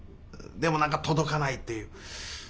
でも何か届かないという。